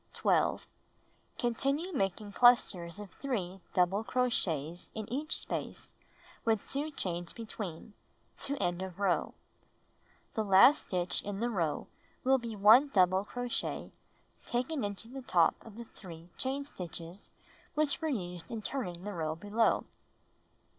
12. Continue making clusters of 3 double crochets in each space with 2 chains between — to end of row. The last stitch in the row wiU be 1 double crochet taken into the top of the 3 chain stitches which were used in turning the row below.